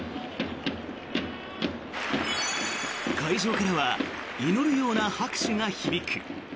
会場からは祈るような拍手が響く。